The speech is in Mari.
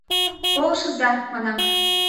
«Полшыза!» — манам.